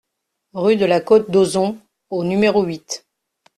Rue de la Côte d'Oson au numéro huit